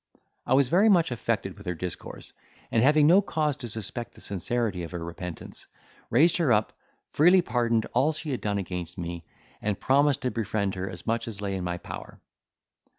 I was very much affected with her discourse and, having no cause to suspect the sincerity of her repentance, raised her up, freely pardoned all she had done against me, and promised to befriend her as much as lay in my power.